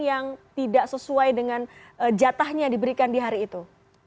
yang tidak sesuai dengan jatahnya diberikan di hari itu